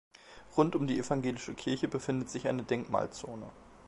Rund um die evangelische Kirche befindet sich eine Denkmalzone.